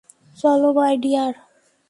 চলো, my deer.